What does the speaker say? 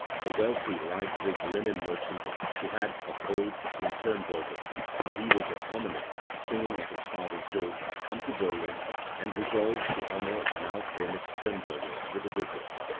A wealthy Leipzig linen merchant, who had of old seen Kirnberger, when he was a Thomaner, singing at his father's door, comes to Berlin, and resolves to honour the now famous Kirn berger with a visit.